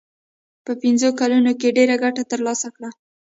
په پنځو کلونو کې ډېره ګټه ترلاسه کړه.